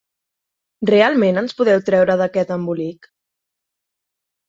Realment ens podeu treure d'aquest embolic?